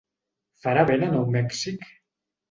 Farà vent a Nou Mèxic?